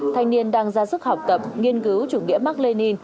thanh niên đang ra sức học tập nghiên cứu chủ nghĩa mark lenin